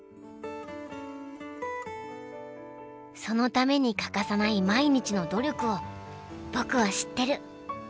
そのために欠かさない毎日の努力を僕は知ってる。